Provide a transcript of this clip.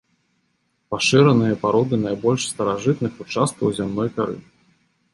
Пашыраныя пароды найбольш старажытных участкаў зямной кары.